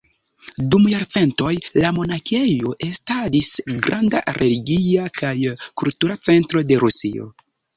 Dum jarcentoj la monakejo estadis granda religia kaj kultura centro de Rusio.